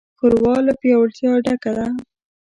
ښوروا له پیاوړتیا ډکه ده.